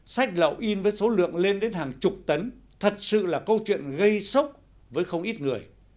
sách lậu in với số lượng lên đến hàng chục tấn thật sự là câu chuyện gây sốc với không ít người